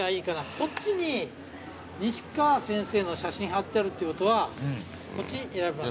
こっちに西川先生の写真貼ってあるっていうことはこっち選びます。